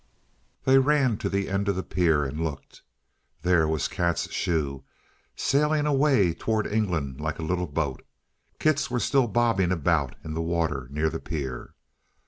They ran to the end of the pier and looked. There was Kat's shoe sailing away toward England like a little boat! Kit's were still bobbing about in the water near the pier.